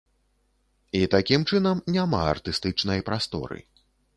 І такім чынам няма артыстычнай прасторы.